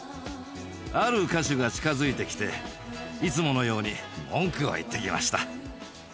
ある歌手が近づいてきていつものように文句を言ってきました。